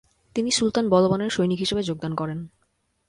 তিনি সুলতান বলবানের সৈনিক হিসেবে যোগদান করেন।